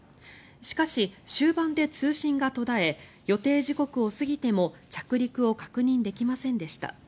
しかし、終盤で通信が途絶え予定時刻を過ぎても着陸を確認できませんでした。